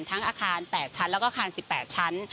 อาคาร๘ชั้นแล้วก็อาคาร๑๘ชั้น